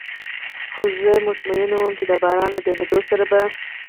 خو زه ډاډه ووم، چې د باران له درېدو سره به.